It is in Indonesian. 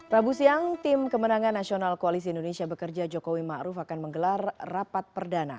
rabu siang tim kemenangan nasional koalisi indonesia bekerja jokowi ma'ruf akan menggelar rapat perdana